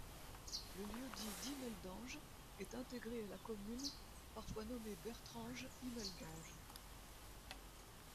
Le lieu-dit d’Imeldange est intégré à la commune parfois nommée Bertrange-Imeldange.